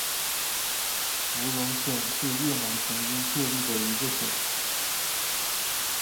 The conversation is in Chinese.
福隆省是越南曾经设立的一个省。